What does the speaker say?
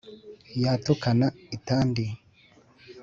yatukana i tandi